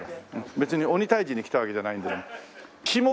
別に鬼退治に来たわけじゃないんですけども。